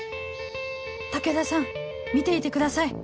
武田さん見ていてください